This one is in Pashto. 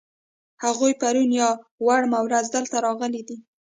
هغوی پرون یا وړمه ورځ دلته راغلي دي.